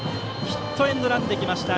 ヒットエンドランできました。